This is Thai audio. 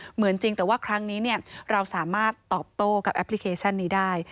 จริงแต่ว่าครั้งนี้เราสามารถตอบโต้กับแอปพลิเคชันนี้ได้